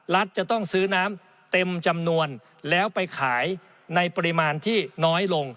รัฐจะต้องซื้อน้ำเต็มจำนวนแล้วไปขายในปริมาณที่น้อยลง